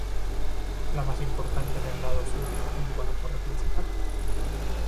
La más importante en el lado sur junto a la torre principal.